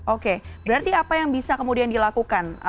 oke berarti apa yang bisa kemudian dilakukan